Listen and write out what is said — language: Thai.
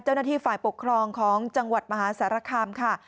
เจ้าหน้าที่ฝ่ายปกครองของจังหวัดมหาสารคามค่ะ